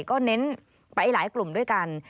ก็เน้นไปหลายกลุ่มด้วยกัน